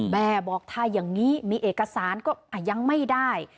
แม่บอกถ้าอย่างนี้มีเอกสารก็ยังไม่ได้